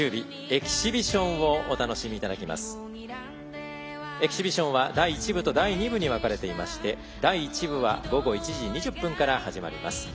エキシビションは第１部と第２部に分かれていまして第１部は午後１時２０分から始まります。